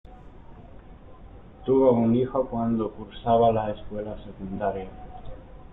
Tuvo un hijo cuando cursaba la escuela secundaria.